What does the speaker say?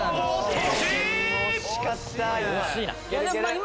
惜しかった今。